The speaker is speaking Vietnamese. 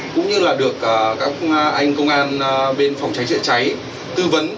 cũng như là được các anh công an bên phòng cháy chữa cháy tư vấn